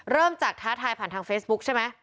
เริ่มจากท้าทายผ่านทางเฟซบุ๊คใช่ไหม